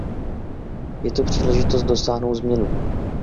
Je to příležitost dosáhnout změnu.